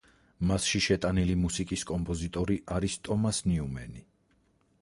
მასში შეტანილი მუსიკის კომპოზიტორი არის ტომას ნიუმენი.